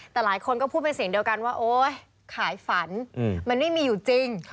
แต่หลายคนก็พูดเป็นเสียงเดียวกันว่าโอ๊ยขายฝันมันไม่มีอยู่จริง